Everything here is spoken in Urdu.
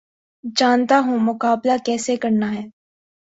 جانتا ہوں مقابلہ کیسے کرنا ہے